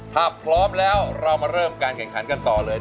ถ้าพร้อมแล้วเรามาเริ่มการแข่งขันกันต่อเลย